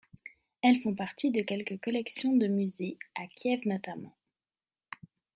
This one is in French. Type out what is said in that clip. Elles font partie de quelques collections de musées, à Kiev notamment.